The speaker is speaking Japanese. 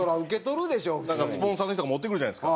スポンサーの人が持ってくるじゃないですか。